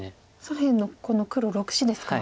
左辺のこの黒６子ですか。